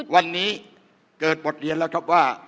วันนี้เกิดบทเรียนแล้วครับว่า